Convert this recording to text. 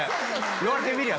言われてみりゃ。